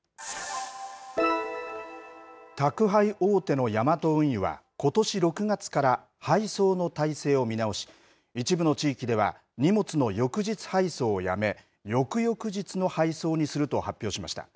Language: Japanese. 宅配大手のヤマト運輸は、ことし６月から配送の体制を見直し、一部の地域では、荷物の翌日配送をやめ、翌々日の配送にすると発表しました。